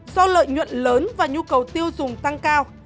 do lợi nhuận lớn và nhu cầu tiêu dùng tăng cao